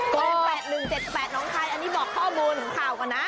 กอง๘๑๗๘น้องคายอันนี้บอกข้อมูลของข่าวก่อนนะ